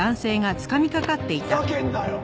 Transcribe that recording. ふざけんなよ！